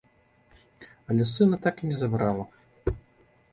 Але сына так і не забрала.